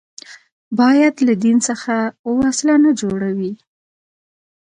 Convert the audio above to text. باید له دین څخه وسله نه جوړوي